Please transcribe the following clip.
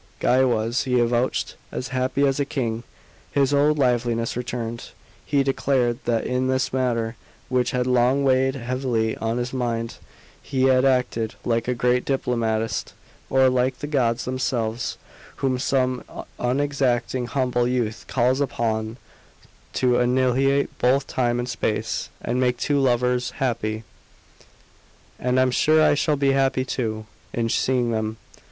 Guy was, he avouched, "as happy as a king." His old liveliness returned; he declared that in this matter, which had long weighed heavily on his mind, he had acted like a great diplomatist, or like the gods themselves, whom some unexacting, humble youth calls upon to "Annihilate both time and space, And make two lovers happy!" "And I'm sure I shall be happy too, in seeing them.